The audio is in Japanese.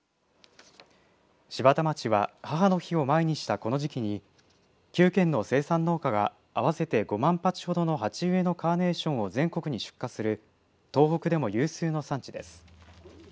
柴田町は母の日を前にしたこの時期に９軒の生産農家が合わせて５万鉢ほどの鉢植えのカーネーションを全国に出荷する東北でも有数の産地です。